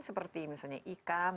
seperti misalnya ikan